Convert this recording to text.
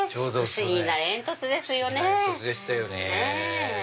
不思議な煙突でしたよね。